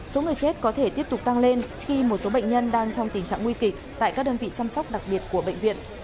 số người chết có thể tiếp tục tăng lên khi một số bệnh nhân đang trong tình trạng nguy kịch tại các đơn vị chăm sóc đặc biệt của bệnh viện